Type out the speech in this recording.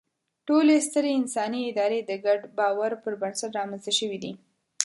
ټولې سترې انساني ادارې د ګډ باور پر بنسټ رامنځ ته شوې دي.